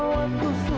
p pays thema tersebut